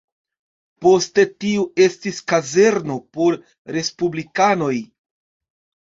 Poste tiu estis kazerno por respublikanoj.